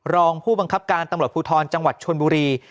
รองผู้บังคับการตำรวจภูทรจังหวัดชนบุรี